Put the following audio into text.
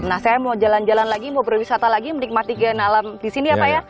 nah saya mau jalan jalan lagi mau berwisata lagi menikmati kein alam di sini ya pak ya